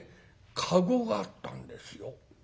駕籠があったんですよ。